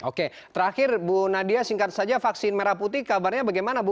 oke terakhir bu nadia singkat saja vaksin merah putih kabarnya bagaimana bu